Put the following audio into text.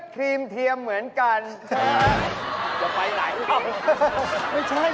บทโรงโทษมาค่ะ